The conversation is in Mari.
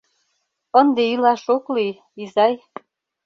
Ынде илаш ок лий, изай...